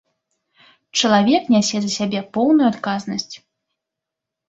Чалавек нясе за сябе поўную адказнасць.